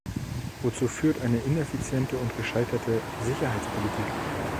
Wozu führt eine ineffiziente und gescheiterte Sicherheitspolitik?